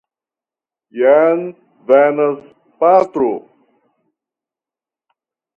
Jen venas patro.